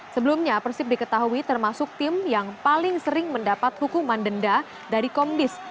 sebelumnya persib diketahui termasuk tim yang paling sering mendapat hukuman denda dari komdis